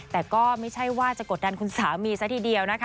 แต่ก็ไม่ใช่ว่าจะกดดันคุณสามีซะทีเดียวนะคะ